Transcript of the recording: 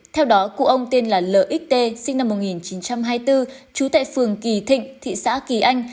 theo đó cụ ông tên là lxt sinh năm một nghìn chín trăm hai mươi bốn trú tại phường kỳ thịnh thị xã kỳ anh